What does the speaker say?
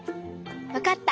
わかった！